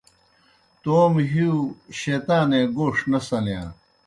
توموْ ہِیؤ شیطانے گوْݜ نہ سنِیا